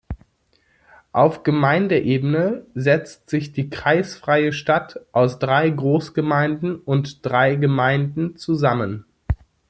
Auf Gemeindeebene setzt sich die kreisfreie Stadt aus drei Großgemeinden und drei Gemeinden zusammen.